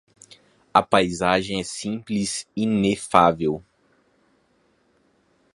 A paisagem é simplesmente inefável.